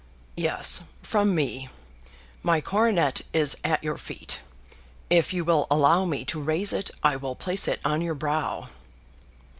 "Yes, from me. My coronet is at your feet. If you will allow me to raise it, I will place it on your brow."